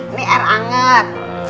ini air anget